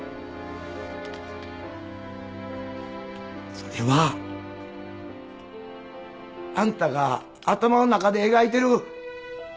それはあんたが頭の中で描いてる過去や。